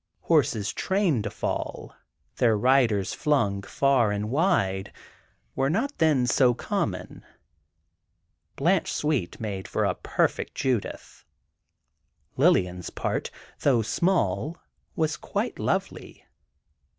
Horses trained to fall, their riders flung far and wide, were not then so common. Blanche Sweet made a perfect Judith. Lillian's part, though small, was quite lovely.